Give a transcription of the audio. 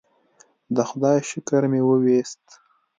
د خدای شکر مې وویست.